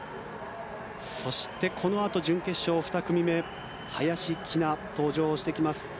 そして、このあと準決勝２組目に林希菜、登場してきます。